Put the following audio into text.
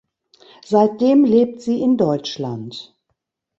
Seitdem lebt sie in Deutschland.